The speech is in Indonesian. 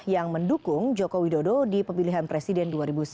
yang mendukung jokowi dodo di pemilihan presiden dua ribu sembilan belas